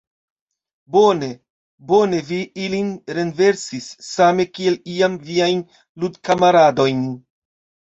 Bone, bone vi ilin renversis, same kiel iam viajn ludkamaradojn!